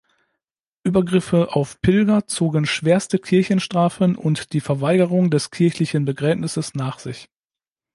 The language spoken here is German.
Übergriffe auf Pilger zogen schwerste Kirchenstrafen und die Verweigerung des kirchlichen Begräbnisses nach sich.